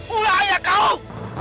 ulah ayah kau